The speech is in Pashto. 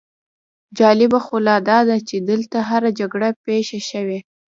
جالبه خو لا داده چې دلته هره جګړه پېښه شوې.